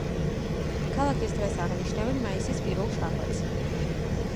ქალაქის დღეს აღნიშნავენ მაისის პირველ შაბათს.